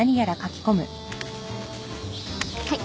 はい。